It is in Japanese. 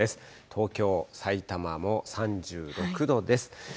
東京、さいたまも３６度です。